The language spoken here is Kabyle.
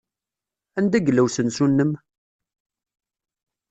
Anda yella usensu-nnem?